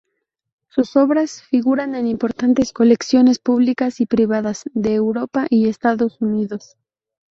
Sus obras figuran en importantes colecciones públicas y privadas de Europa y Estados Unidos.